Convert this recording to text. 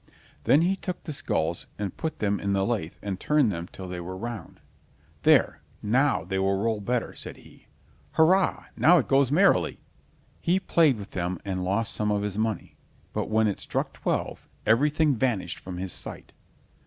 Then he took the skulls and put them in the lathe and turned them till they were round. "There, now, they will roll better!" said he. "Hurrah! now it goes merrily!" He played with them and lost some of his money, but when it struck twelve, everything vanished from his sight.